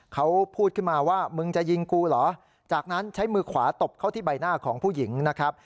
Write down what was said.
เขาพูดขึ้นมาว่ามึงจะยิงกูเหรอจากนั้นใช้มือขวาตบเข้าที่ใบหน้าของผู้หญิงนะครับ